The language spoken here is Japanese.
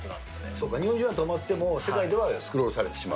そうか、日本人は止まっても、世界ではスクロールされてしまう？